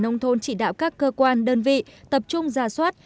nông thôn chỉ đạo các cơ quan đơn vị tập trung giả soát